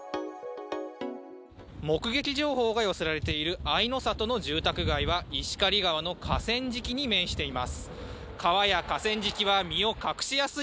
目撃情報が寄せられているあいの里の住宅街は、石狩川の河川敷に面しています。